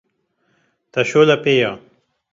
Te şole pê ye